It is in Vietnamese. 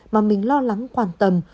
mà mình lo lắng quan tâm